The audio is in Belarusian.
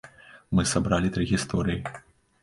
Мы сабралі тры гісторыі.